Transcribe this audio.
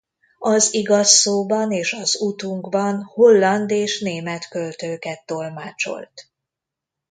Az Igaz Szóban és az Utunkban holland és német költőket tolmácsolt.